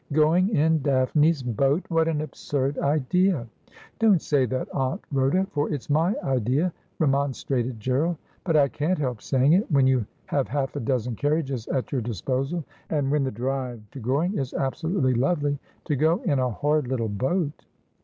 ' G oing in Daphne's boat ! What an absurd idea !'' Don't say that, Aunt Rhoda, for it's my idea,' remonstrated Gerald. 'But I can't help saying it. When you have half a dozen carriages at your disposal, and when the drive to Goring is absolutely lovely, to go in a horrid little boat.'